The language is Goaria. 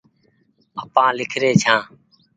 آپآن ليکري ڇآن